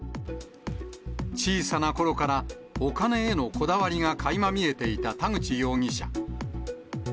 小さなころから、お金へのこだわりがかいま見えていた田口容疑者。